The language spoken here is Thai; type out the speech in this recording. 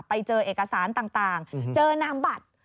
ไปเจอเอกสารต่างเจอนามบัตร